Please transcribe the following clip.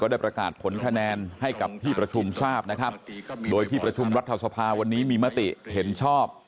ได้ประกาศผลคะแนนให้กับที่ประชุมทราบนะครับโดยที่ประชุมรัฐสภาวันนี้มีมติเห็นชอบ